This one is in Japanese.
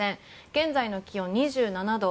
現在の気温２７度。